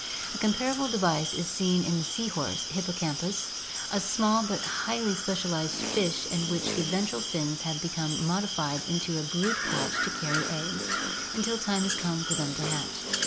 A comparable device is seen in the sea horse (Hippocampus, Fig. 13), a small but highly specialized fish in which the ventral fins have been modified into a brood pouch to carry the eggs until time for them to hatch.